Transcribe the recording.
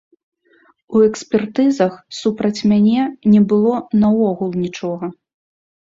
У экспертызах супраць мяне не было наогул нічога!